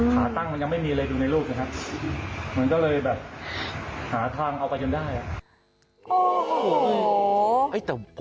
ขาตั้งมันยังไม่มีเลยดูในรูปนะครับ